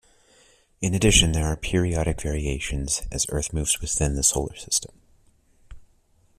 In addition there are periodic variations, as Earth moves within the Solar system.